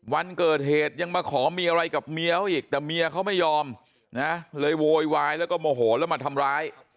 วันเกิดเหตุยังมาขอมีอะไรกับเมียเขาอีกแต่เมียเขาไม่ยอมนะเลยโวยวายแล้วก็โมโหแล้วมาทำร้าย